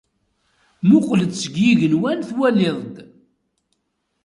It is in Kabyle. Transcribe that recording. Muqqel-d seg yigenwan twaliḍ-d.